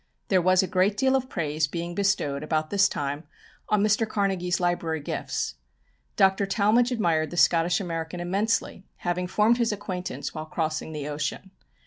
There was a great deal of praise being bestowed about this time on Mr. Carnegie's library gifts. Dr. Talmage admired the Scottish American immensely, having formed his acquaintance while crossing the ocean.